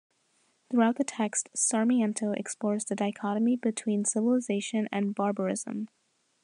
Throughout the text, Sarmiento explores the dichotomy between civilization and barbarism.